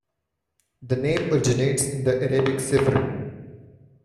The name originates in the Arabic cifr.